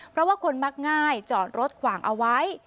เพราะว่าคนมักง่ายจอดรถขวางเอาไว้